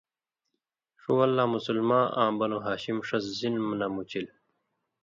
ݜُو وَل لا مُسلماں آں بنو ہاشم ݜس ظِلم نہ مُچِل۔